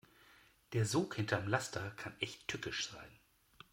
Der Sog hinterm Laster kann echt tückisch sein.